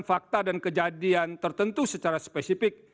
fakta dan kejadian tertentu secara spesifik